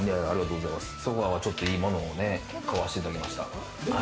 ソファはちょっといいものをね、買わせていただきました。